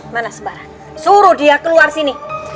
mana sembarang suruh dia keluar sini